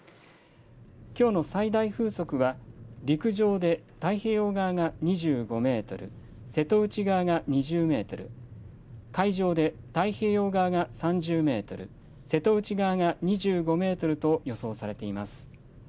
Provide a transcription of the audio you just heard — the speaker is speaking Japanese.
きょうの最大風速は、陸上で太平洋側が２５メートル、瀬戸内側が２０メートル、海上で太平洋側が３０メートル、瀬戸内側が２５メートルと予想されています。